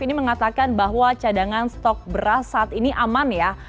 ini mengatakan bahwa cadangan stok beras saat ini aman ya